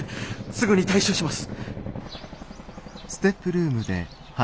すぐに対処します。